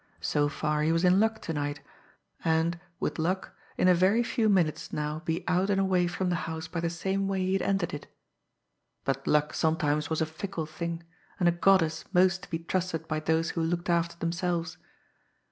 So far he was in luck to night, and, with luck, in a very few minutes now be out and away from the house by the same way he had entered it but luck sometimes was a fickle thing, and a goddess most to be trusted by those who looked after themselves!